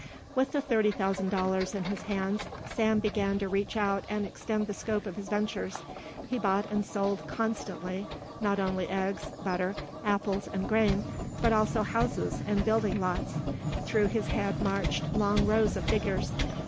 With the thirty thousand dollars in his hands Sam began to reach out and extend the scope of his ventures. He bought and sold constantly, not only eggs, butter, apples, and grain, but also houses and building lots. Through his head marched long rows of figures.